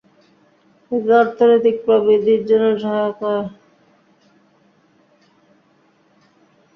এতে অর্থনৈতিক প্রবৃদ্ধির জন্য সহায়ক হয়, যেখানে যুক্তরাজ্য প্রধান বাজার খুঁজে পায়।